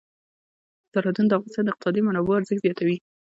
سرحدونه د افغانستان د اقتصادي منابعو ارزښت زیاتوي.